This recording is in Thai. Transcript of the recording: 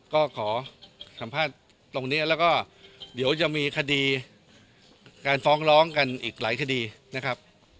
ก็ขอสัมภาษณ์ตรงนี้แล้วก็เดี๋ยวจะมีคดีการฟ้องร้องกันอีกหลายคดีนะครับ